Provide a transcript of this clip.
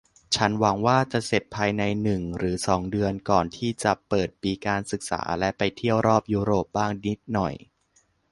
ฉันหวังว่าจะเสร็จภายในหนึ่งหรือสองเดือนก่อนที่จะเปิดปีการศึกษาและไปเที่ยวรอบยุโรปบ้างนิดหน่อย